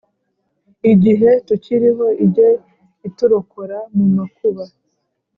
igihe tukiriho ijye iturokora mumakuba